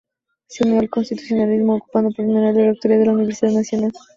Se unió al constitucionalismo, ocupando por primera vez la Rectoría de la Universidad Nacional.